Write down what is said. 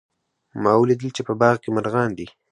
ما ولیدل چې په باغ کې مرغان دي